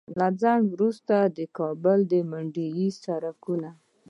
له ځنډ وروسته د کابل منډوي د سړکونو